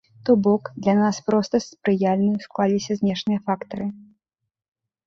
То бок, для нас проста спрыяльна склаліся знешнія фактары.